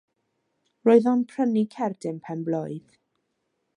Roedd o'n prynu cerdyn pen-blwydd.